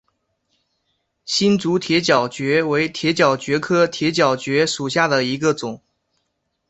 新竹铁角蕨为铁角蕨科铁角蕨属下的一个种。